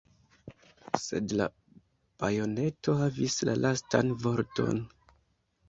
Sed la bajoneto havis la lastan vorton.